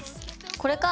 これか。